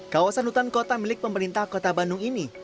kawasan hutan kota milik pemerintah kota bandung ini